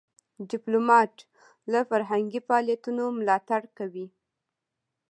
ډيپلومات له فرهنګي فعالیتونو ملاتړ کوي.